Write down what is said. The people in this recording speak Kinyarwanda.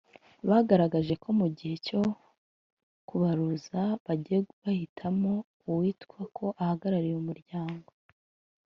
Bagaragaje ko mu gihe cyo kubaruza bagiye bahitamo uwitwa ko ahagarariye umuryango